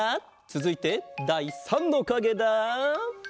つづいてだい３のかげだ！